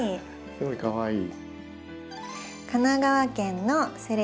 すごいかわいい。